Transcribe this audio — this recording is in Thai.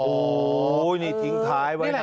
โอ้โหนี่ทิ้งท้ายไว้นะ